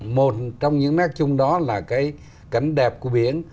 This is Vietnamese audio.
một trong những nét chung đó là cái cảnh đẹp của biển